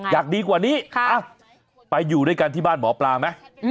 อยากดีกว่านี้ไปอยู่ด้วยกันที่บ้านหมอปลาไหม